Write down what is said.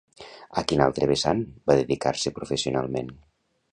A quin altre vessant va dedicar-se professionalment?